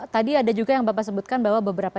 tadi ada juga yang bapak sebutkan bahwa beberapa